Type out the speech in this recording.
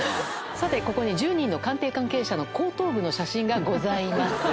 さてここに１０人の官邸関係者の後頭部の写真がございます。